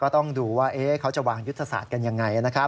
ต้องดูว่าเขาจะวางยุทธศาสตร์กันยังไงนะครับ